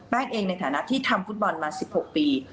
เองในฐานะที่ทำฟุตบอลมา๑๖ปี